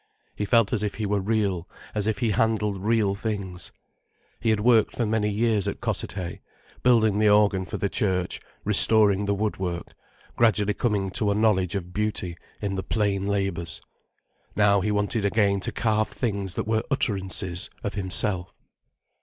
He felt as if he were real, as if he handled real things. He had worked for many years at Cossethay, building the organ for the church, restoring the woodwork, gradually coming to a knowledge of beauty in the plain labours. Now he wanted again to carve things that were utterances of himself.